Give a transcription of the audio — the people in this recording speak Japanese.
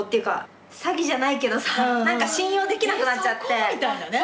えそこ？みたいなね。